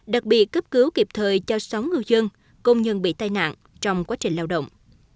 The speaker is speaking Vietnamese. đặc biệt cấp cứu kịp thời cho sáu ngư dân công nhân bị tai nạn trong quá trình lao động